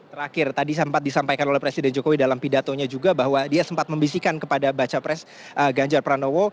terakhir tadi sempat disampaikan oleh presiden jokowi dalam pidatonya juga bahwa dia sempat membisikkan kepada baca pres ganjar pranowo